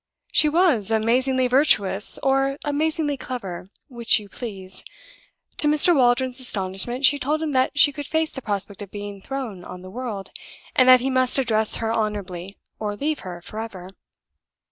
She was amazingly virtuous, or amazingly clever, which you please. To Mr. Waldron's astonishment, she told him that she could face the prospect of being thrown on the world; and that he must address her honorably or leave her forever.